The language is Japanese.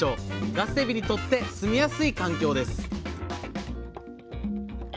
ガスエビにとってすみやすい環境です